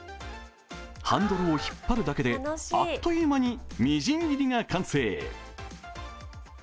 ハンドルを引っ張るだけであっという間にみじん切りが完成。